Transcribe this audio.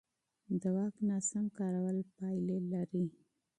د واک ناسم کارول پایلې لري